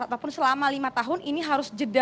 ataupun selama lima tahun ini harus jeda